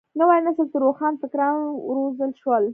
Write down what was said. نوي نسل ته روښان فکران وروزل شول.